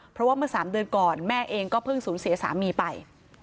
เพราะว่าเมื่อ๓เดือนก่อนแม่เองก็เพิ่งสูญเสียสามีไป